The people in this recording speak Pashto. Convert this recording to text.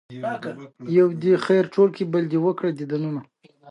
نهه پنځوسم سوال د وظیفې د تحلیل په اړه دی.